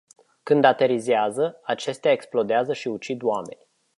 Când aterizează, acestea explodează și ucid oameni.